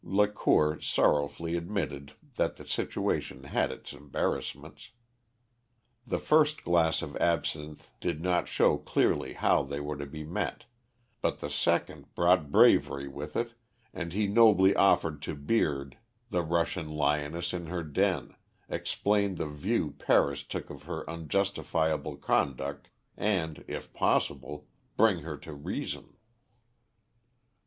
Lacour sorrowfully admitted that the situation had its embarrassments. The first glass of absinthe did not show clearly how they were to be met, but the second brought bravery with it, and he nobly offered to beard the Russian lioness in her den, explain the view Paris took of her unjustifiable conduct, and, if possible, bring her to reason.